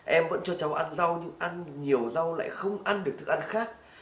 em vẫn cho cháu ăn rau nhưng ăn nhiều rau lại không ăn được thức ăn khác